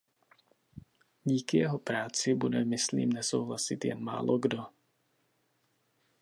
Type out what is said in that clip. Díky jeho práci bude myslím nesouhlasit jen málokdo.